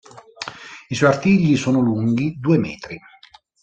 I suoi artigli sono lunghi due metri.